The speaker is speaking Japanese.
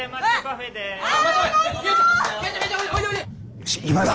よし今だ！